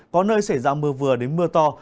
có nơi xảy ra mưa vừa đến mưa to